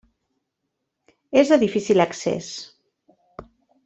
És de difícil accés.